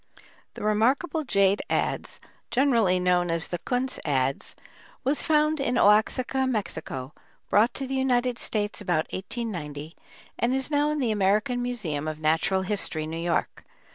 ] The remarkable jade adze, generally known as the "Kunz adze," was found in Oaxaca, Mexico, brought to the United States about 1890, and is now in the American Museum of Natural History, New York.